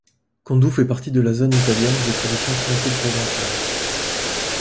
Condoue fait partie de la zone italienne de tradition francoprovençale.